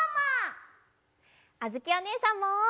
あづきおねえさんも。